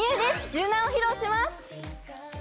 柔軟を披露します